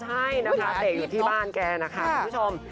ใช่นะคะเตะอยู่ที่บ้านแกนะคะคุณผู้ชม